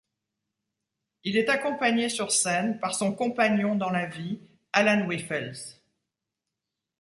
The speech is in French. Il est accompagné sur scène par son compagnon dans la vie, Alan Wyffels.